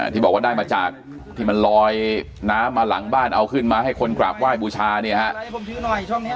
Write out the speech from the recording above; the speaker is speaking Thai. ที่บอกว่าได้มาจากที่มันลอยน้ำมาหลังบ้านเอาขึ้นมาให้คนกราบไหว้บูชาเนี่ยฮะ